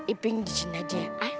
iping di sini aja